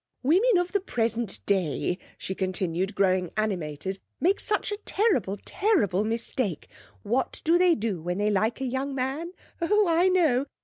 'Women of the present day,' she continued, growing animated, 'make such a terrible, terrible mistake I What do they do when they like a young man? Oh, I know!